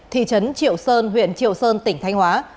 thị trấn triệu sơn huyện triệu sơn tỉnh thanh hóa